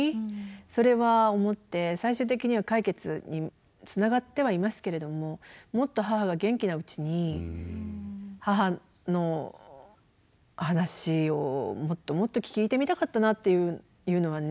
それは思って最終的には解決につながってはいますけれどももっと母が元気なうちに母の話をもっともっと聞いてみたかったなっていうのはね